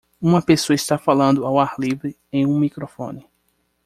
Uma pessoa está falando ao ar livre em um microfone.